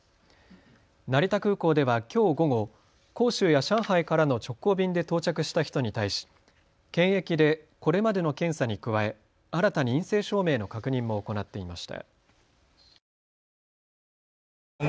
成田空港ではきょう午後、杭州や上海からの直行便で到着した人に対し検疫でこれまでの検査に加え新たに陰性証明の確認も行っていました。